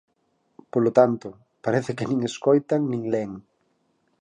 Polo tanto, parece que nin escoitan nin len.